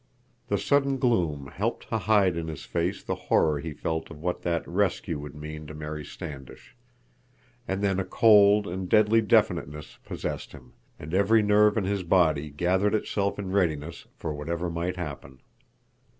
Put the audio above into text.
The sudden gloom helped to hide in his face the horror he felt of what that "rescue" would mean to Mary Standish; and then a cold and deadly definiteness possessed him, and every nerve in his body gathered itself in readiness for whatever might happen.